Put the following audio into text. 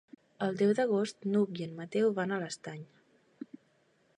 El deu d'agost n'Hug i en Mateu van a l'Estany.